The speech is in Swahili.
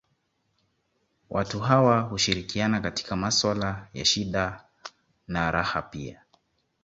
Watu hawa hushirikiana katika maswala ya shida na raha pia